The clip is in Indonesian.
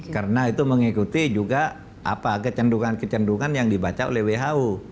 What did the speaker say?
karena itu mengikuti juga apa kecendungan kecendungan yang dibaca oleh who